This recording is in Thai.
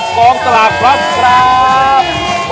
กองสลากพลัสครับ